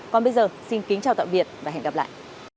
còn bây giờ xin kính chào tạm biệt và hẹn gặp lại